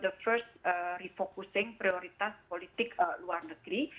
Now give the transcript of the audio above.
jadi ini adalah prioritas politik luar negeri